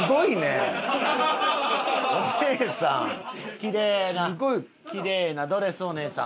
キレイなキレイなドレスお姉さん。